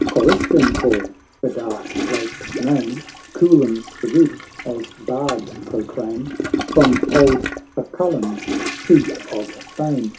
—" Coriskin call the dark lake's name, Coolin the ridge, as bards proclaim, From old Cuchullin, chief of fame.